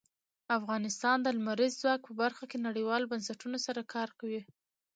افغانستان د لمریز ځواک په برخه کې نړیوالو بنسټونو سره کار کوي.